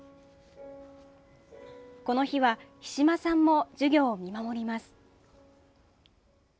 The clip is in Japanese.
この日は比島さんも授業を見守ります。